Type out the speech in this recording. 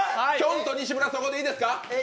んと西村、そこでいいですか？